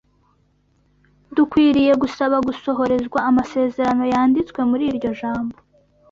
Dukwiriye gusaba gusohorezwa amasezerano yanditswe muri iryo Jambo